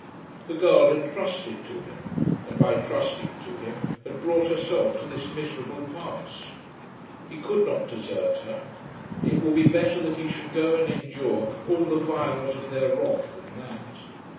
The girl had trusted to him, and by trusting to him had brought herself to this miserable pass. He could not desert her. It would be better that he should go and endure all the vials of their wrath than that.